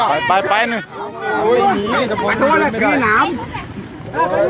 วายไปนึงเร็ว